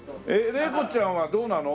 玲子ちゃんはどうなの？